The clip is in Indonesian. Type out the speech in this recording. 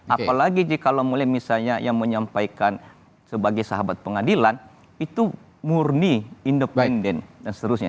apalagi kalau mulai misalnya yang menyampaikan sebagai sahabat pengadilan itu murni independen dan seterusnya